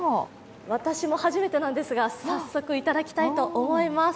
私も初めてなんですが早速いただきたいと思います。